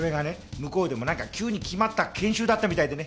向こうでもなんか急に決まった研修だったみたいでね